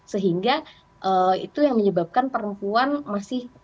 sehingga itu yang menyebabkan perempuan masih